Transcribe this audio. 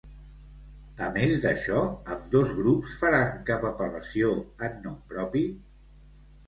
A més d'això, ambdós grups faran cap apel·lació en nom propi?